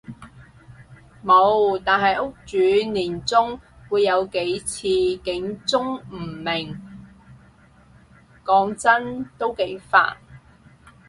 無，但係屋主年中會有幾次警鐘誤鳴，講真都幾煩